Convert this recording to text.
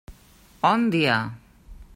Òndia!